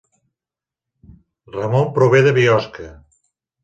Ramon prové de Biosca